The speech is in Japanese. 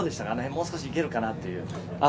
もう少し行けるかなという。